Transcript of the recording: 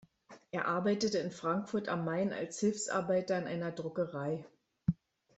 Er arbeitete in Frankfurt am Main als Hilfsarbeiter in einer Druckerei.